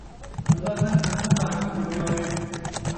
اللہ سئیں حقوں نحقوں بچاوے